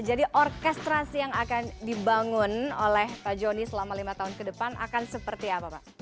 jadi orkestrasi yang akan dibangun oleh pak jonny selama lima tahun ke depan akan seperti apa pak